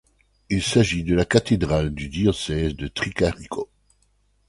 Il s'agit de la cathédrale du diocèse de Tricarico.